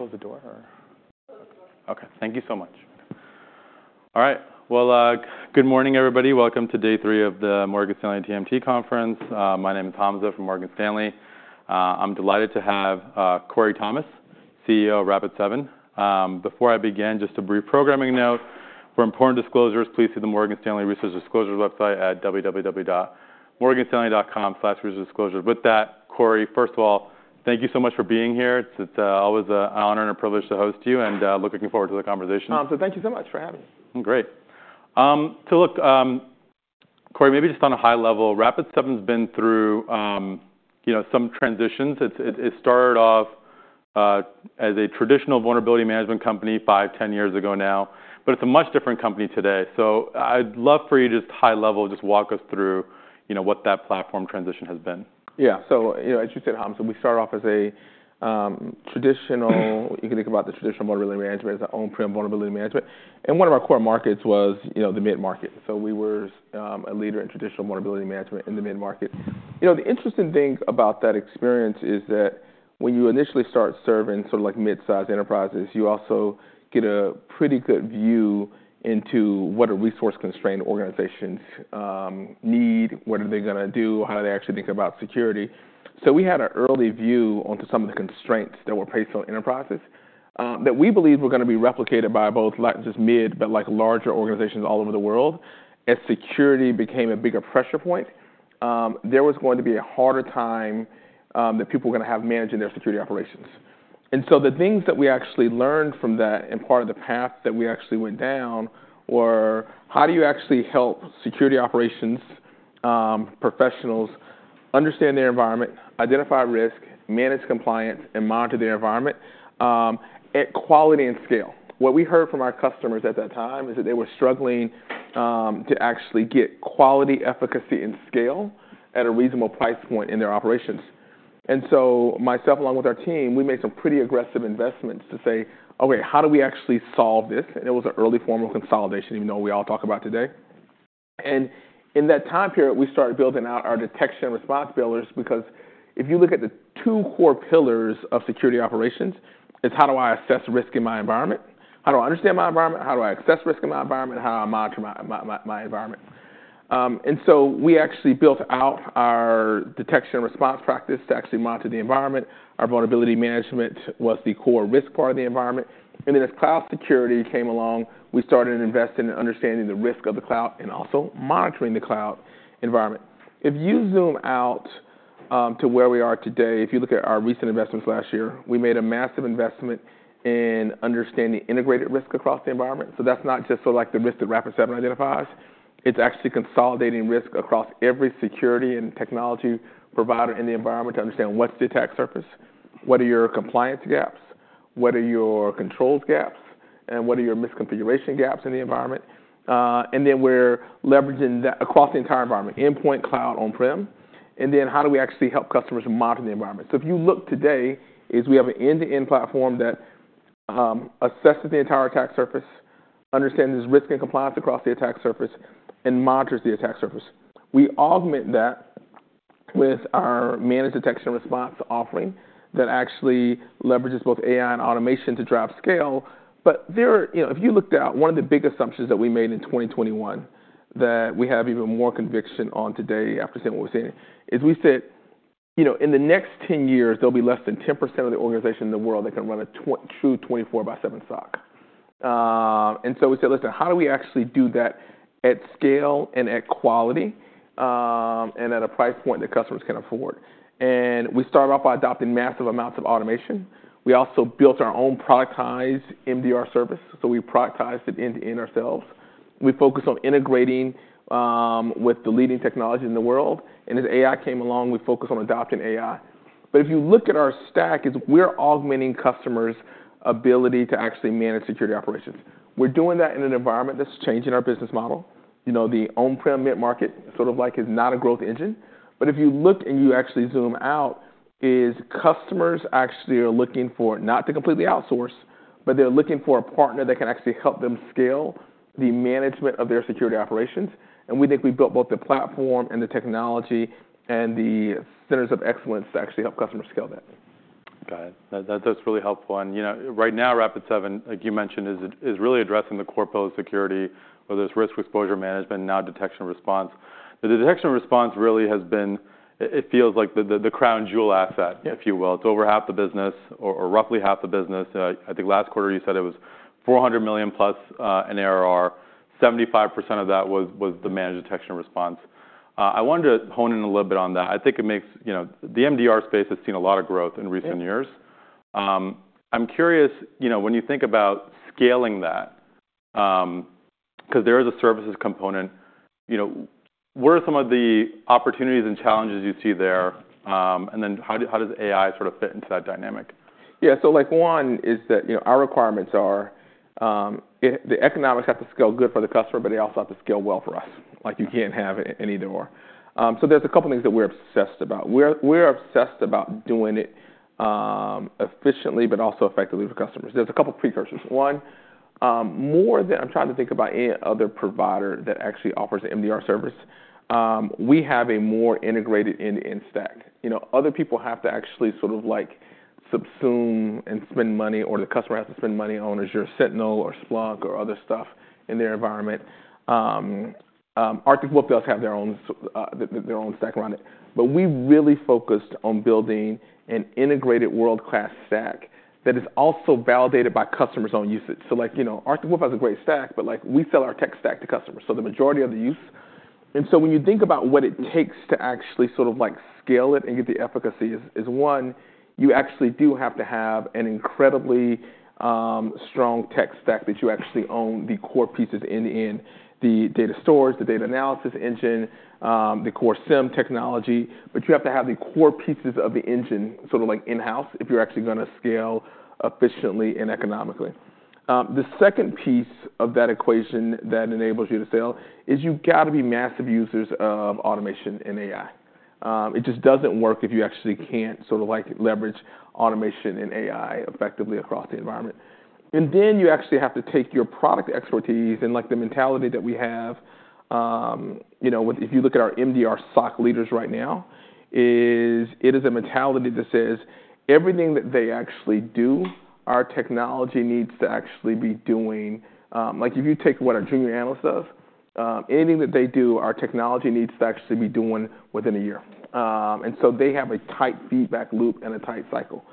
Close the door, or? Close the door. Okay. Thank you so much. All right. Good morning, everybody. Welcome to day three of the Morgan Stanley TMT Conference. My name is Hamza from Morgan Stanley. I'm delighted to have Corey Thomas, CEO of Rapid7. Before I begin, just a brief programming note for important disclosures. Please see the Morgan Stanley Research Disclosures website at www.morganstanley.com/researchdisclosures. With that, Corey, first of all, thank you so much for being here. It's always an honor and a privilege to host you, and looking forward to the conversation. Hamza, thank you so much for having me. Great. Look, Corey, maybe just on a high level, Rapid7 has been through some transitions. It started off as a traditional vulnerability management company five, 10 years ago now, but it's a much different company today. I'd love for you to, just high level, just walk us through what that platform transition has been. Yeah. As you said, Hamza, we started off as a traditional, you can think about the traditional vulnerability management as our own pre-owned vulnerability management. One of our core markets was the mid-market. We were a leader in traditional vulnerability management in the mid-market. The interesting thing about that experience is that when you initially start serving sort of mid-sized enterprises, you also get a pretty good view into what a resource-constrained organization needs, what are they going to do, how do they actually think about security. We had an early view onto some of the constraints that were placed on enterprises that we believed were going to be replicated by both not just mid, but larger organizations all over the world. As security became a bigger pressure point, there was going to be a harder time that people were going to have managing their security operations. The things that we actually learned from that and part of the path that we actually went down were how do you actually help security operations professionals understand their environment, identify risk, manage compliance, and monitor their environment at quality and scale. What we heard from our customers at that time is that they were struggling to actually get quality, efficacy, and scale at a reasonable price point in their operations. Myself, along with our team, we made some pretty aggressive investments to say, "Okay, how do we actually solve this?" It was an early form of consolidation, even though we all talk about today. In that time period, we started building out our detection and response pillars because if you look at the two core pillars of security operations, it's how do I assess risk in my environment, how do I understand my environment, how do I assess risk in my environment, and how do I monitor my environment. We actually built out our detection and response practice to actually monitor the environment. Our vulnerability management was the core risk part of the environment. As cloud security came along, we started investing in understanding the risk of the cloud and also monitoring the cloud environment. If you zoom out to where we are today, if you look at our recent investments last year, we made a massive investment in understanding integrated risk across the environment. That's not just the risk that Rapid7 identifies. It's actually consolidating risk across every security and technology provider in the environment to understand what's the attack surface, what are your compliance gaps, what are your controls gaps, and what are your misconfiguration gaps in the environment. We are leveraging that across the entire environment, endpoint, cloud, on-prem. How do we actually help customers monitor the environment? If you look today, we have an end-to-end platform that assesses the entire attack surface, understands risk and compliance across the attack surface, and monitors the attack surface. We augment that with our managed detection and response offering that actually leverages both AI and automation to drive scale. If you looked at one of the big assumptions that we made in 2021 that we have even more conviction on today after seeing what we're seeing, we said, "In the next 10 years, there'll be less than 10% of the organization in the world that can run a true 24x7 SOC." We said, "Listen, how do we actually do that at scale and at quality and at a price point that customers can afford?" We started off by adopting massive amounts of automation. We also built our own productized MDR service. We productized it end-to-end ourselves. We focused on integrating with the leading technologies in the world. As AI came along, we focused on adopting AI. If you look at our stack, we're augmenting customers' ability to actually manage security operations. We're doing that in an environment that's changing our business model. The on-prem mid-market sort of is not a growth engine. If you look and you actually zoom out, customers actually are looking for not to completely outsource, but they're looking for a partner that can actually help them scale the management of their security operations. We think we built both the platform and the technology and the centers of excellence to actually help customers scale that. Got it. That's really helpful. Right now, Rapid7, like you mentioned, is really addressing the core pillars of security, whether it's risk exposure management, now detection and response. The detection and response really has been, it feels like, the crown jewel asset, if you will. It's over half the business or roughly half the business. I think last quarter you said it was $400 million plus in ARR. 75% of that was the managed detection and response. I wanted to hone in a little bit on that. I think the MDR space has seen a lot of growth in recent years. I'm curious, when you think about scaling that, because there is a services component, what are some of the opportunities and challenges you see there? How does AI sort of fit into that dynamic? Yeah. One is that our requirements are the economics have to scale good for the customer, but they also have to scale well for us. You can't have any door. There are a couple of things that we're obsessed about. We're obsessed about doing it efficiently, but also effectively for customers. There are a couple of precursors. One, more than I'm trying to think about any other provider that actually offers MDR service, we have a more integrated end-to-end stack. Other people have to actually sort of subsume and spend money, or the customer has to spend money on Azure Sentinel or Splunk or other stuff in their environment. Arctic Wolf does have their own stack around it. We really focused on building an integrated world-class stack that is also validated by customers' own usage. Arctic Wolf has a great stack, but we sell our tech stack to customers. The majority of the use. When you think about what it takes to actually sort of scale it and get the efficacy is, one, you actually do have to have an incredibly strong tech stack that you actually own the core pieces end-to-end, the data stores, the data analysis engine, the core SIEM technology. You have to have the core pieces of the engine sort of in-house if you're actually going to scale efficiently and economically. The second piece of that equation that enables you to scale is you've got to be massive users of automation and AI. It just doesn't work if you actually can't sort of leverage automation and AI effectively across the environment. You actually have to take your product expertise and the mentality that we have. If you look at our MDR SOC leaders right now, it is a mentality that says everything that they actually do, our technology needs to actually be doing. If you take what our junior analyst does, anything that they do, our technology needs to actually be doing within a year. They have a tight feedback loop and a tight cycle.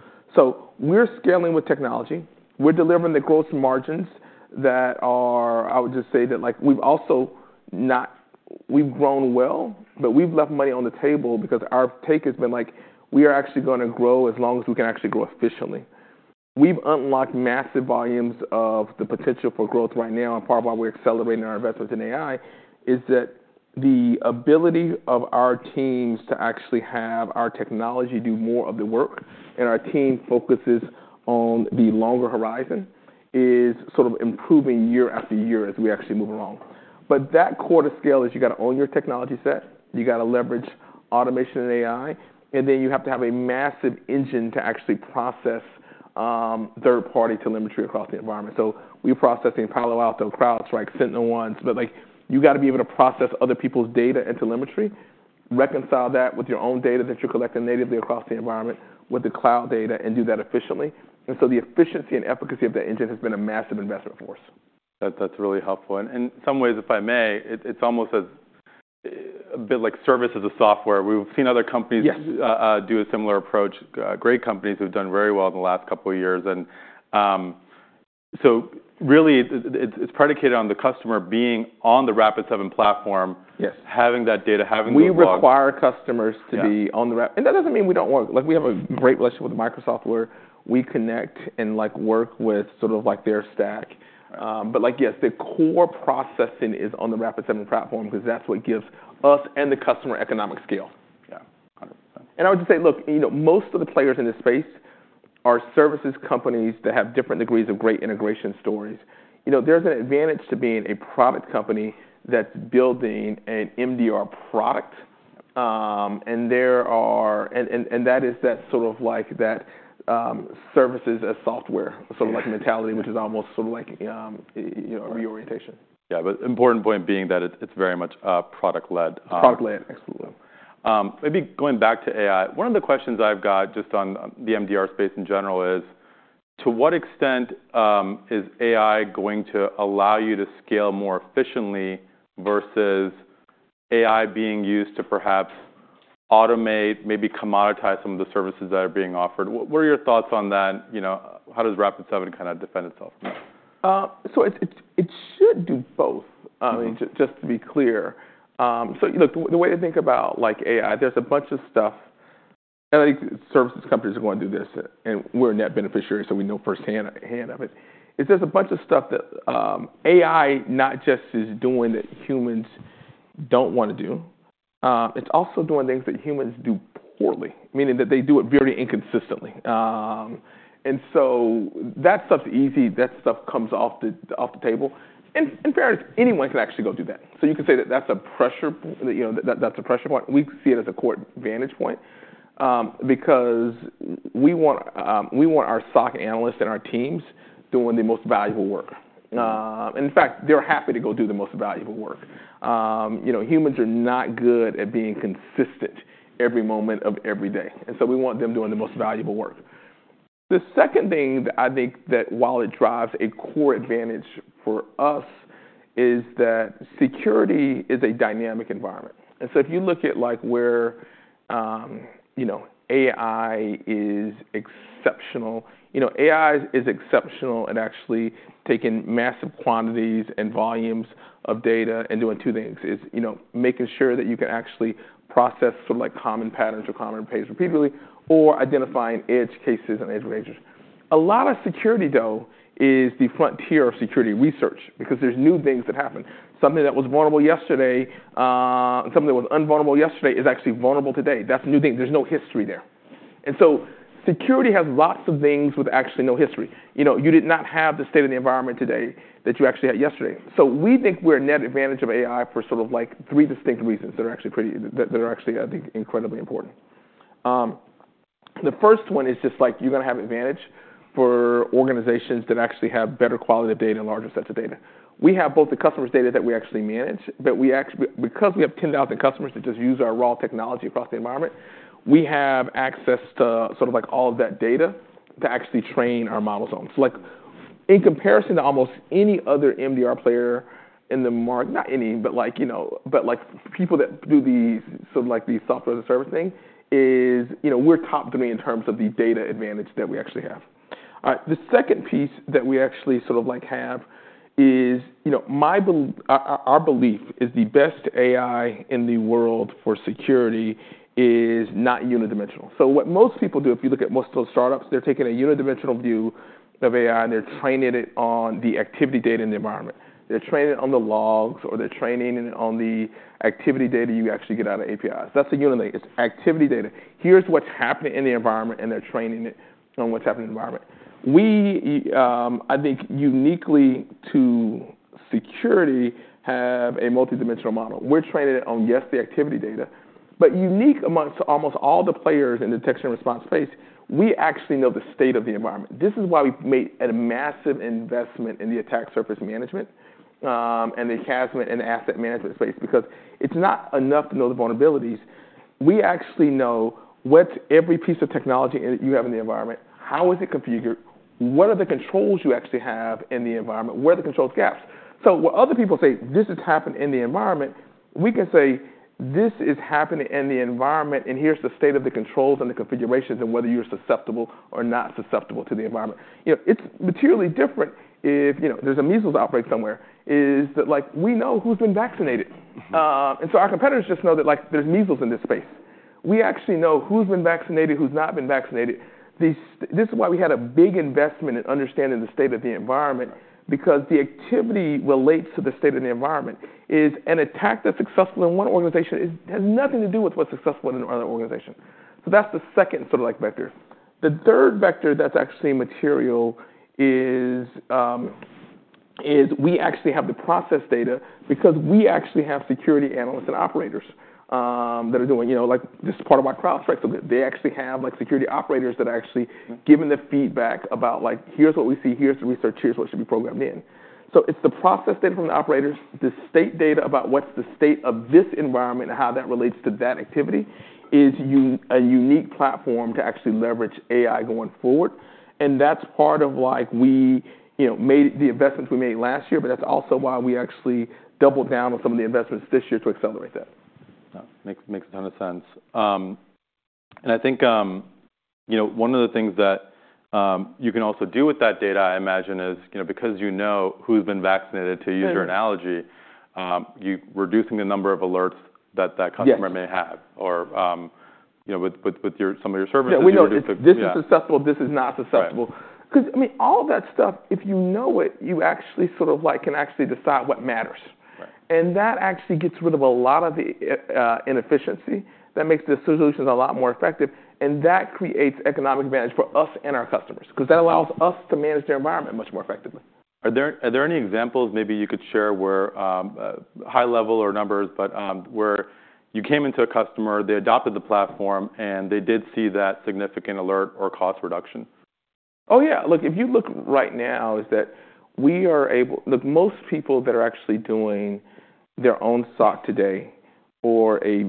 We are scaling with technology. We are delivering the gross margins that are, I would just say that we have also not, we have grown well, but we have left money on the table because our take has been we are actually going to grow as long as we can actually grow efficiently. We have unlocked massive volumes of the potential for growth right now. Part of why we're accelerating our investments in AI is that the ability of our teams to actually have our technology do more of the work and our team focuses on the longer horizon is sort of improving year after year as we actually move along. That core to scale is you've got to own your technology set. You've got to leverage automation and AI. You have to have a massive engine to actually process third-party telemetry across the environment. We're processing Palo Alto, CrowdStrike, SentinelOne. You've got to be able to process other people's data and telemetry, reconcile that with your own data that you're collecting natively across the environment with the cloud data, and do that efficiently. The efficiency and efficacy of that engine has been a massive investment for us. That's really helpful. In some ways, if I may, it's almost as a bit like Service as a Software. We've seen other companies do a similar approach, great companies who've done very well in the last couple of years. It's predicated on the customer being on the Rapid7 platform, having that data, having the info. We require customers to be on Rapid7. That does not mean we do not work. We have a great relationship with Microsoft where we connect and work with sort of their stack. Yes, the core processing is on the Rapid7 platform because that is what gives us and the customer economic scale. Yeah. 100%. I would just say, look, most of the players in this space are services companies that have different degrees of great integration stories. There is an advantage to being a product company that is building an MDR product. That is that sort of like that services as software sort of mentality, which is almost sort of like a reorientation. Yeah. An important point being that it's very much product-led. Product-led. Absolutely. Maybe going back to AI, one of the questions I've got just on the MDR space in general is, to what extent is AI going to allow you to scale more efficiently versus AI being used to perhaps automate, maybe commoditize some of the services that are being offered? What are your thoughts on that? How does Rapid7 kind of defend itself from that? It should do both, just to be clear. Look, the way to think about AI, there's a bunch of stuff. I think services companies are going to do this. We're a net beneficiary, so we know firsthand of it. There's a bunch of stuff that AI not just is doing that humans don't want to do. It's also doing things that humans do poorly, meaning that they do it very inconsistently. That stuff's easy. That stuff comes off the table. In fairness, anyone can actually go do that. You can say that that's a pressure point. We see it as a core advantage point because we want our SOC analysts and our teams doing the most valuable work. In fact, they're happy to go do the most valuable work. Humans are not good at being consistent every moment of every day. We want them doing the most valuable work. The second thing that I think that while it drives a core advantage for us is that security is a dynamic environment. If you look at where AI is exceptional, AI is exceptional at actually taking massive quantities and volumes of data and doing two things: making sure that you can actually process sort of common patterns or common pains repeatedly or identifying edge cases and edge ranges. A lot of security, though, is the frontier of security research because there's new things that happen. Something that was vulnerable yesterday and something that was unvulnerable yesterday is actually vulnerable today. That's a new thing. There's no history there. Security has lots of things with actually no history. You did not have the state of the environment today that you actually had yesterday. We think we're at net advantage of AI for sort of three distinct reasons that are actually, I think, incredibly important. The first one is just like you're going to have advantage for organizations that actually have better quality of data and larger sets of data. We have both the customer's data that we actually manage, but because we have 10,000 customers that just use our raw technology across the environment, we have access to sort of all of that data to actually train our models on. In comparison to almost any other MDR player in the market, not any, but people that do sort of the software as a service thing, we're top three in terms of the data advantage that we actually have. The second piece that we actually sort of have is our belief is the best AI in the world for security is not unidimensional. What most people do, if you look at most of those startups, they're taking a unidimensional view of AI, and they're training it on the activity data in the environment. They're training it on the logs, or they're training it on the activity data you actually get out of APIs. That's a unit thing. It's activity data. Here's what's happening in the environment, and they're training it on what's happening in the environment. We, I think, uniquely to security, have a multidimensional model. We're training it on, yes, the activity data. Unique amongst almost all the players in the detection and response space, we actually know the state of the environment. This is why we've made a massive investment in the attack surface management and the asset management space because it's not enough to know the vulnerabilities. We actually know what's every piece of technology you have in the environment, how is it configured, what are the controls you actually have in the environment, where are the controls gaps. When other people say, "This has happened in the environment," we can say, "This is happening in the environment, and here's the state of the controls and the configurations and whether you're susceptible or not susceptible to the environment." It's materially different if there's a measles outbreak somewhere is that we know who's been vaccinated. Our competitors just know that there's measles in this space. We actually know who's been vaccinated, who's not been vaccinated. This is why we had a big investment in understanding the state of the environment because the activity relates to the state of the environment. An attack that's successful in one organization has nothing to do with what's successful in another organization. That is the second sort of vector. The third vector that's actually material is we actually have the process data because we actually have security analysts and operators that are doing this as part of our Rapid7. They actually have security operators that are actually giving the feedback about, "Here's what we see. Here's the research. Here's what should be programmed in." It is the process data from the operators, the state data about what's the state of this environment and how that relates to that activity, which is a unique platform to actually leverage AI going forward. That's part of the investments we made last year, but that's also why we actually doubled down on some of the investments this year to accelerate that. Makes a ton of sense. I think one of the things that you can also do with that data, I imagine, is because you know who's been vaccinated, to use your analogy, you're reducing the number of alerts that that customer may have or with some of your services. Yeah. We know this is susceptible. This is not susceptible. Because all of that stuff, if you know it, you actually sort of can actually decide what matters. That actually gets rid of a lot of the inefficiency. That makes the solutions a lot more effective. That creates economic advantage for us and our customers because that allows us to manage their environment much more effectively. Are there any examples maybe you could share where high level or numbers, but where you came into a customer, they adopted the platform, and they did see that significant alert or cost reduction? Oh, yeah. Look, if you look right now, is that we are able most people that are actually doing their own SOC today or a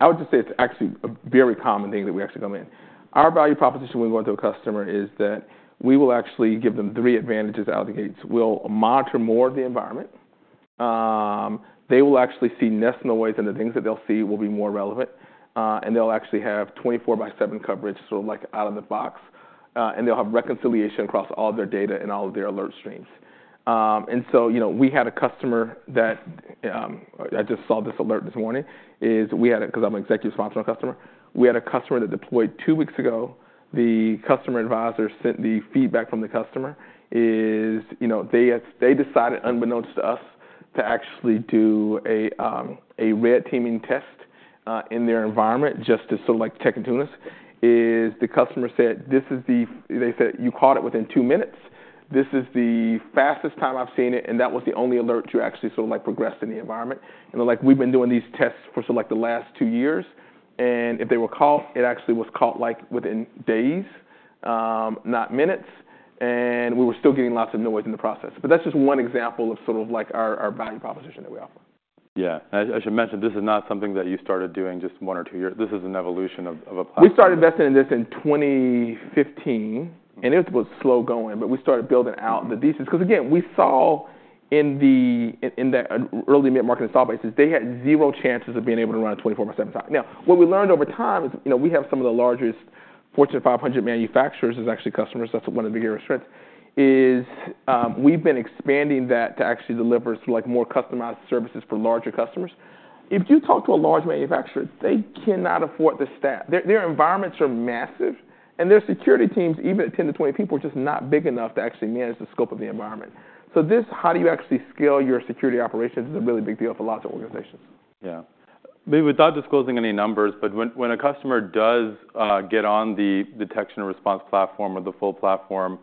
I would just say it's actually a very common thing that we actually come in. Our value proposition when we go into a customer is that we will actually give them three advantages out of the gates. We'll monitor more of the environment. They will actually see less and the ways and the things that they'll see will be more relevant. They'll actually have 24x7 coverage sort of out of the box. They'll have reconciliation across all of their data and all of their alert streams. We had a customer that I just saw this alert this morning. Because I'm an executive sponsor on a customer. We had a customer that deployed two weeks ago. The customer advisor sent the feedback from the customer. They decided unbeknownst to us to actually do a red teaming test in their environment just to sort of check into us. The customer said, "They said you caught it within two minutes. This is the fastest time I've seen it." That was the only alert to actually sort of progress in the environment. They are like, "We've been doing these tests for the last two years." If they were caught, it actually was caught within days, not minutes. We were still getting lots of noise in the process. That is just one example of sort of our value proposition that we offer. Yeah. I should mention this is not something that you started doing just one or two years. This is an evolution of a platform. We started investing in this in 2015. It was slow going, but we started building out the thesis because, again, we saw in the early mid-market install bases, they had zero chances of being able to run a 24x7 SOC. What we learned over time is we have some of the largest Fortune 500 manufacturers as actually customers. That's one of the bigger strengths, as we've been expanding that to actually deliver more customized services for larger customers. If you talk to a large manufacturer, they cannot afford the staff. Their environments are massive. Their security teams, even at 10-20 people, are just not big enough to actually manage the scope of the environment. This, how do you actually scale your security operations, is a really big deal for lots of organizations. Yeah. Maybe without disclosing any numbers, but when a customer does get on the Detection and Response platform or the full platform,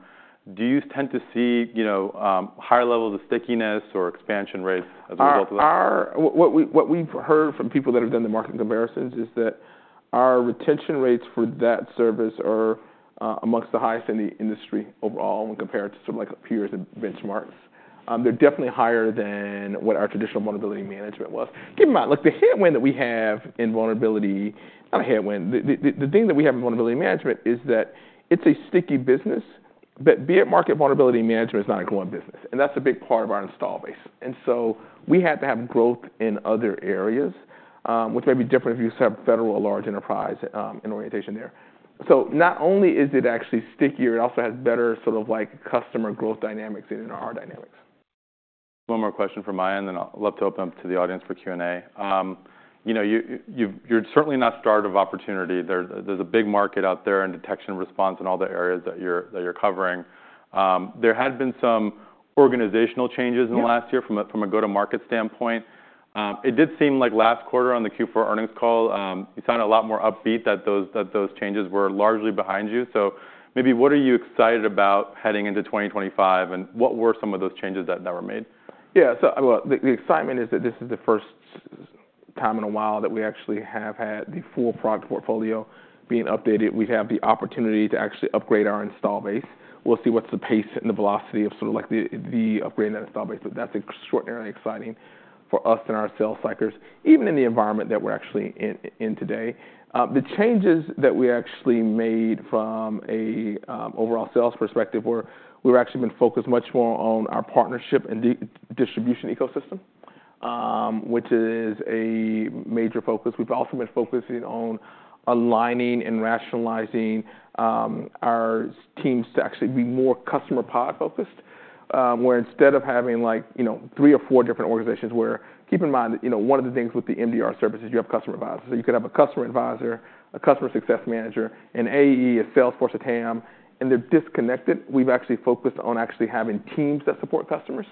do you tend to see higher levels of stickiness or expansion rates as a result of that? What we've heard from people that have done the marketing comparisons is that our retention rates for that service are amongst the highest in the industry overall when compared to sort of peers and benchmarks. They're definitely higher than what our traditional vulnerability management was. Keep in mind, the headwind that we have in vulnerability, not a headwind. The thing that we have in vulnerability management is that it's a sticky business, but be it market, vulnerability management is not a growing business. That is a big part of our install base. We had to have growth in other areas, which may be different if you have federal or large enterprise in orientation there. Not only is it actually stickier, it also has better sort of customer growth dynamics in our dynamics. One more question from my end, and I'd love to open up to the audience for Q&A. You're certainly not starved of opportunity. There's a big market out there in detection and response and all the areas that you're covering. There had been some organizational changes in the last year from a go-to-market standpoint. It did seem like last quarter on the Q4 earnings call, you sounded a lot more upbeat that those changes were largely behind you. Maybe what are you excited about heading into 2025, and what were some of those changes that were made? Yeah. The excitement is that this is the first time in a while that we actually have had the full product portfolio being updated. We have the opportunity to actually upgrade our install base. We'll see what's the pace and the velocity of sort of the upgrade in that install base. That is extraordinarily exciting for us and our sales cycles, even in the environment that we're actually in today. The changes that we actually made from an overall sales perspective were we've actually been focused much more on our partnership and distribution ecosystem, which is a major focus. We've also been focusing on aligning and rationalizing our teams to actually be more customer-pod focused, where instead of having three or four different organizations where keep in mind that one of the things with the MDR services, you have customer advisors. You could have a customer advisor, a customer success manager, an AE, a Salesforce, a TAM. They are disconnected. We have actually focused on actually having teams that support customers.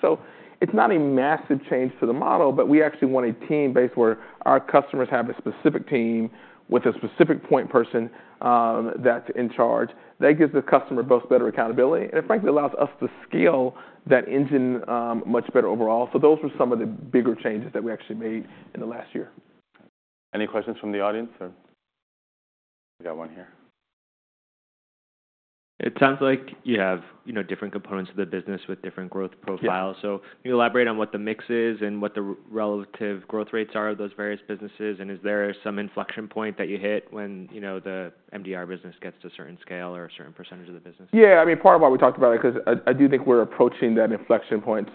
It is not a massive change to the model, but we actually want a team base where our customers have a specific team with a specific point person that is in charge. That gives the customer both better accountability. Frankly, it allows us to scale that engine much better overall. Those were some of the bigger changes that we actually made in the last year. Any questions from the audience? We got one here. It sounds like you have different components of the business with different growth profiles. Can you elaborate on what the mix is and what the relative growth rates are of those various businesses? Is there some inflection point that you hit when the MDR business gets to a certain scale or a certain percentage of the business? Yeah. I mean, part of why we talked about it because I do think we're approaching that inflection point.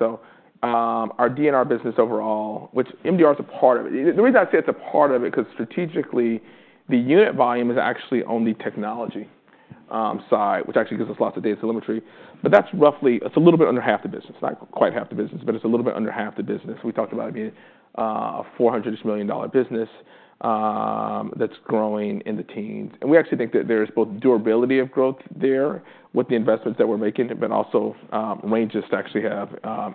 Our D&R business overall, which MDR is a part of it. The reason I say it's a part of it is because strategically, the unit volume is actually only technology side, which actually gives us lots of data telemetry. That's roughly, it's a little bit under half the business, not quite half the business, but it's a little bit under half the business. We talked about it being a $400 million business that's growing in the teens. We actually think that there is both durability of growth there with the investments that we're making, but also ranges to actually have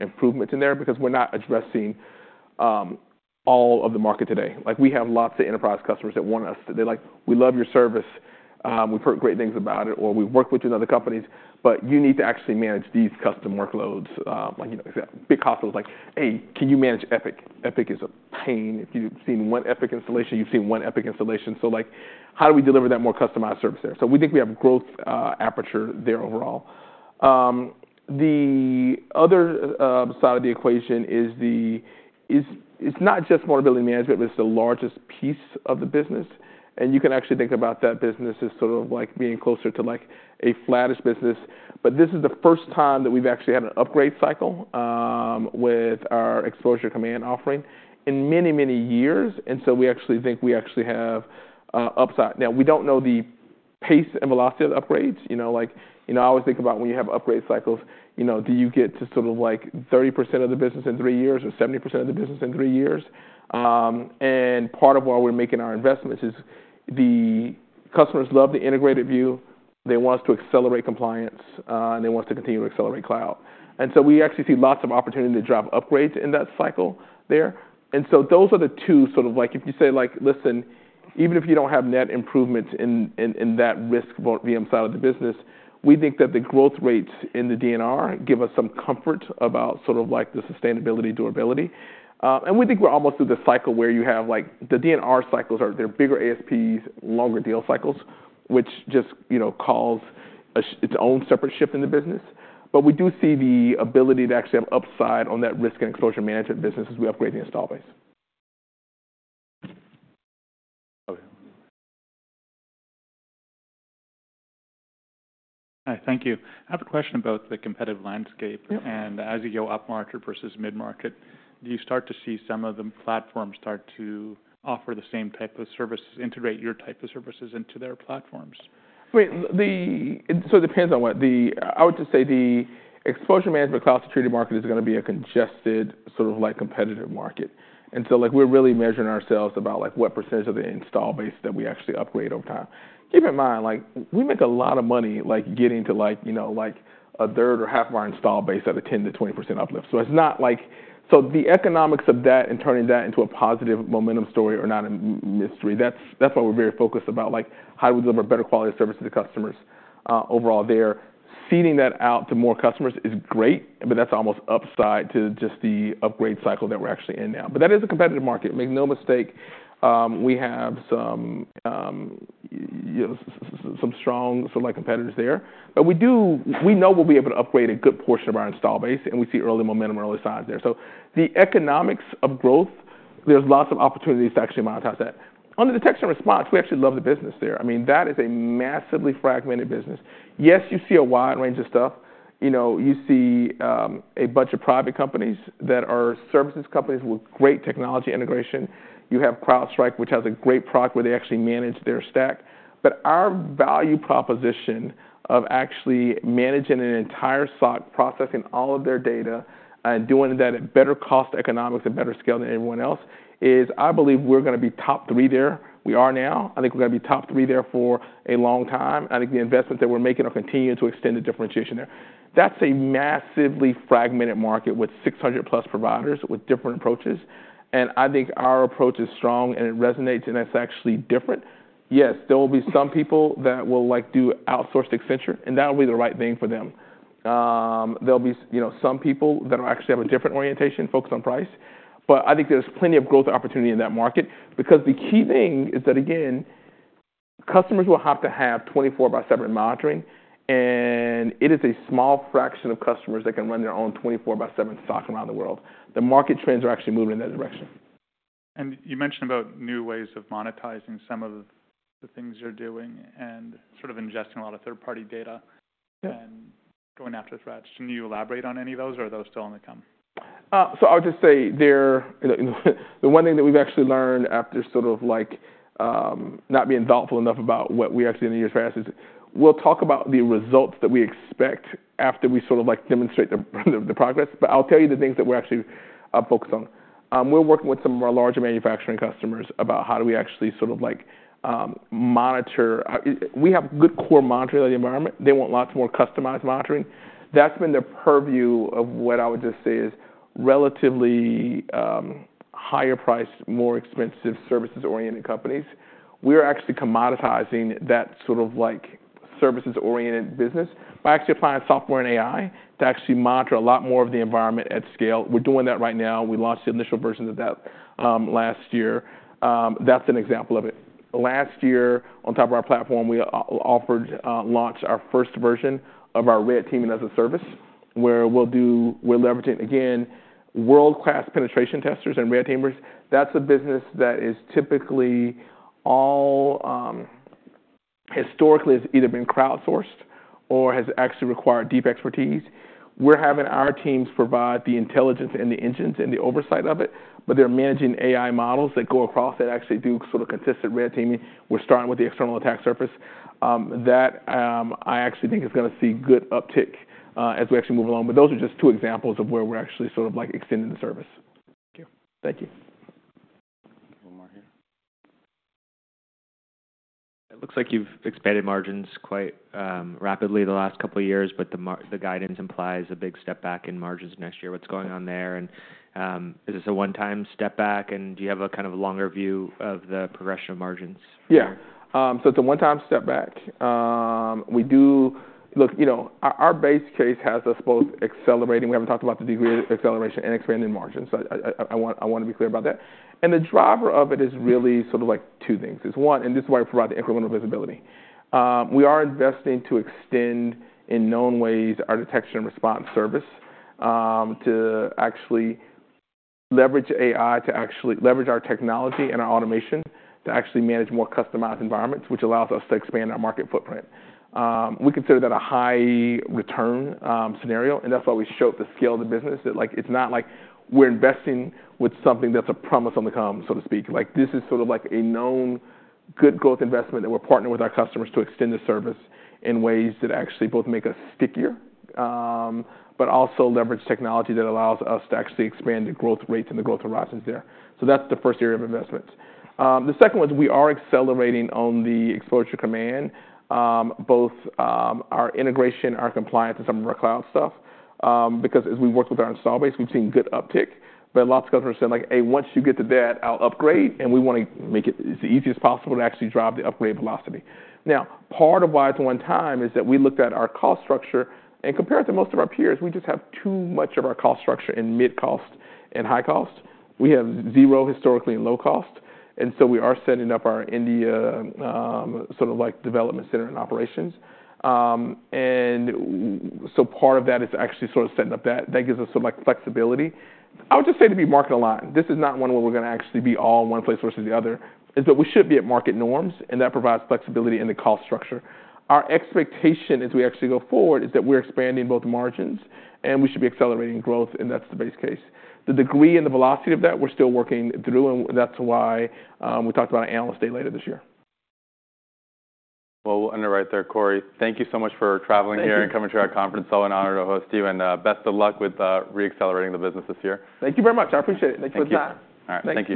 improvements in there because we're not addressing all of the market today. We have lots of enterprise customers that want us. They're like, "We love your service. We've heard great things about it," or, "We've worked with you and other companies, but you need to actually manage these custom workloads." Big hustles like, "Hey, can you manage Epic? Epic is a pain. If you've seen one Epic installation, you've seen one Epic installation." How do we deliver that more customized service there? We think we have growth aperture there overall. The other side of the equation is it's not just vulnerability management, but it's the largest piece of the business. You can actually think about that business as sort of being closer to a flattish business. This is the first time that we've actually had an upgrade cycle with our Exposure Command offering in many, many years. We actually think we actually have upside. Now, we don't know the pace and velocity of the upgrades. I always think about when you have upgrade cycles, do you get to sort of 30% of the business in three years or 70% of the business in three years? Part of why we're making our investments is the customers love the integrated view. They want us to accelerate compliance, and they want us to continue to accelerate cloud. We actually see lots of opportunity to drive upgrades in that cycle there. Those are the two sort of if you say, "Listen, even if you do not have net improvements in that risk VM side of the business, we think that the growth rates in the D&R give us some comfort about sort of the sustainability, durability." We think we are almost through the cycle where you have the D&R cycles are their bigger ASPs, longer deal cycles, which just calls its own separate ship in the business. We do see the ability to actually have upside on that risk and exposure management business as we upgrade the install base. Hi. Thank you. I have a question about the competitive landscape. As you go up market versus mid-market, do you start to see some of the platforms start to offer the same type of services, integrate your type of services into their platforms? It depends on what. I would just say the exposure management cloud security market is going to be a congested sort of competitive market. We are really measuring ourselves about what percentage of the install base that we actually upgrade over time. Keep in mind, we make a lot of money getting to a third or half of our install base at a 10%-20% uplift. It is not like the economics of that and turning that into a positive momentum story are a mystery. That is why we are very focused about how do we deliver better quality of service to the customers overall there. Seeding that out to more customers is great, but that is almost upside to just the upgrade cycle that we are actually in now. That is a competitive market. Make no mistake, we have some strong competitors there. We know we'll be able to upgrade a good portion of our install base, and we see early momentum, early size there. The economics of growth, there's lots of opportunities to actually monetize that. Under detection and response, we actually love the business there. I mean, that is a massively fragmented business. Yes, you see a wide range of stuff. You see a bunch of private companies that are services companies with great technology integration. You have CrowdStrike, which has a great product where they actually manage their stack. Our value proposition of actually managing an entire SOC, processing all of their data, and doing that at better cost economics and better scale than anyone else is I believe we're going to be top three there. We are now. I think we're going to be top three there for a long time. I think the investments that we're making will continue to extend the differentiation there. That's a massively fragmented market with 600 plus providers with different approaches. I think our approach is strong, and it resonates, and it's actually different. Yes, there will be some people that will do outsourced Accenture, and that will be the right thing for them. There'll be some people that will actually have a different orientation, focus on price. I think there's plenty of growth opportunity in that market because the key thing is that, again, customers will have to have 24x7 monitoring. It is a small fraction of customers that can run their own 24x7 SOC around the world. The market trends are actually moving in that direction. You mentioned about new ways of monetizing some of the things you're doing and sort of ingesting a lot of third-party data and going after threats. Can you elaborate on any of those, or are those still on the come? I would just say the one thing that we've actually learned after sort of not being thoughtful enough about what we actually did in the years past is we'll talk about the results that we expect after we sort of demonstrate the progress. I'll tell you the things that we're actually focused on. We're working with some of our larger manufacturing customers about how do we actually sort of monitor. We have good core monitoring of the environment. They want lots more customized monitoring. That's been the purview of what I would just say is relatively higher priced, more expensive services-oriented companies. We're actually commoditizing that sort of services-oriented business by actually applying software and AI to actually monitor a lot more of the environment at scale. We're doing that right now. We launched the initial version of that last year. That's an example of it. Last year, on top of our platform, we offered launch our first version of our red teaming as a service where we're leveraging, again, world-class penetration testers and red teamers. That's a business that is typically all historically has either been crowdsourced or has actually required deep expertise. We're having our teams provide the intelligence and the engines and the oversight of it, but they're managing AI models that go across that actually do sort of consistent red teaming. We're starting with the external attack surface. That I actually think is going to see good uptick as we actually move along. Those are just two examples of where we're actually sort of extending the service. Thank you. Thank you. One more here. It looks like you've expanded margins quite rapidly the last couple of years, but the guidance implies a big step back in margins next year. What's going on there? Is this a one-time step back, and do you have a kind of longer view of the progression of margins? Yeah. It is a one-time step back. Look, our base case has us both accelerating. We have not talked about the degree of acceleration and expanding margins. I want to be clear about that. The driver of it is really sort of two things. One, and this is why we provide the incremental visibility. We are investing to extend in known ways our Detection and Response service to actually leverage AI, to actually leverage our technology and our automation to actually manage more customized environments, which allows us to expand our market footprint. We consider that a high return scenario, and that is why we showed the scale of the business. It is not like we are investing with something that is a promise on the come, so to speak. This is sort of a known good growth investment that we're partnering with our customers to extend the service in ways that actually both make us stickier, but also leverage technology that allows us to actually expand the growth rates and the growth horizons there. That is the first area of investments. The second one is we are accelerating on the Exposure Command, both our integration, our compliance, and some of our cloud stuff because as we've worked with our install base, we've seen good uptake. Lots of customers are saying, "Hey, once you get to that, I'll upgrade," and we want to make it as easy as possible to actually drive the upgrade velocity. Now, part of why it's one time is that we looked at our cost structure and compared to most of our peers, we just have too much of our cost structure in mid-cost and high cost. We have zero historically in low cost. We are setting up our India sort of development center and operations. Part of that is actually sort of setting up that. That gives us some flexibility. I would just say to be market aligned. This is not one where we're going to actually be all in one place versus the other. It's that we should be at market norms, and that provides flexibility in the cost structure. Our expectation as we actually go forward is that we're expanding both margins, and we should be accelerating growth, and that's the base case. The degree and the velocity of that, we're still working through, and that's why we talked about an analyst day later this year. Thank you so much for traveling here and coming to our conference. It's always an honor to host you, and best of luck with re-accelerating the business this year. Thank you very much. I appreciate it. Thank you. Thank you. All right. Thank you.